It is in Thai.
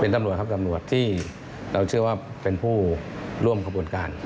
ตำรวจครับตำรวจที่เราเชื่อว่าเป็นผู้ร่วมขบวนการ